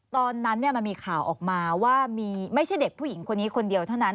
ตอนนั้นมันมีข่าวออกมาว่ามีไม่ใช่เด็กผู้หญิงคนนี้คนเดียวเท่านั้น